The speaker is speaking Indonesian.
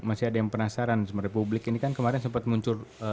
masih ada yang penasaran sama republik ini kan kemarin sempat muncul